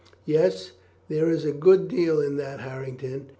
"Yes, there is a good deal in that, Harrington.